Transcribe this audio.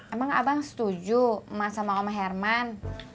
emang abang setuju sama om herman